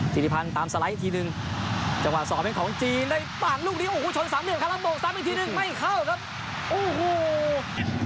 จิติพันธ์ตามสไลด์ทีหนึ่งจังหวะสอบเป็นของจีนในต่างลูกนี้โอ้โหชนสามเรื่องคาลังโบกสามารถเป็นทีหนึ่งไม่เข้าครับโอ้โห